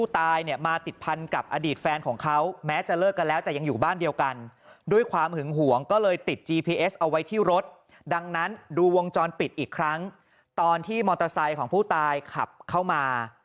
ตอนที่มอเตอร์ไซค์ของผู้ตายขับเข้ามา